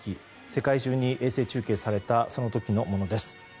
世界中に衛星中継されたその時のものです。